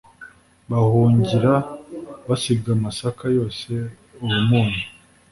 bahungira basiga amasaka yose uwo munyu